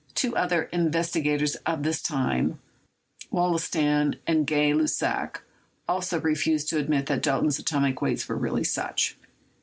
Two other investi gators of this time — Wollaston and Gay Lussac — also re fused to admit that Dalton's atomic weights were really such.